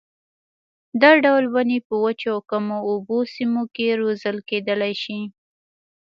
دا ډول ونې په وچو او کمو اوبو سیمو کې روزل کېدلای شي.